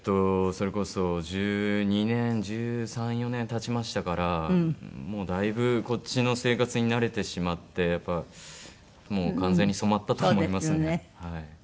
それこそ１２年１３１４年経ちましたからもうだいぶこっちの生活に慣れてしまってやっぱもう完全に染まったと思いますねはい。